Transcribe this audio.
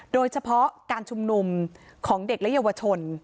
โดยเฉพาะการชุมนุมของเด็กและเยาวชน